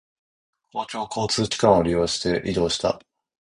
公共交通機関を利用して移動した。